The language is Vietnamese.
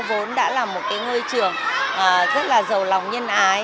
vốn đã là một cái ngôi trường rất là giàu lòng nhân ái